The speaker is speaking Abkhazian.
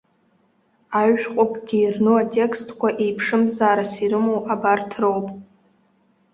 Аҩшәҟәкгьы ирну атекстқәа еиԥшымзаарас ирымоу абарҭ роуп.